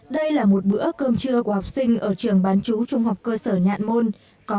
đây là một bữa cơm trưa của học sinh ở trường bán chú trung học cơ sở nhạn môn